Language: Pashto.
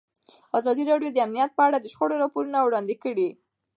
ازادي راډیو د امنیت په اړه د شخړو راپورونه وړاندې کړي.